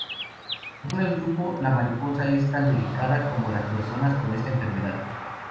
Según el grupo, la mariposa es tan delicada como las personas con esta enfermedad.